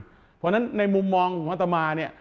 เพราะฉะนั้นในมุมมองของอัตมาเนี่ย